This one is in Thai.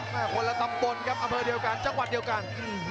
คนละตำบลครับอำเภอเดียวกันจังหวัดเดียวกัน